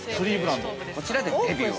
こちらでデビューを。